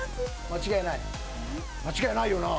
間違いないよな？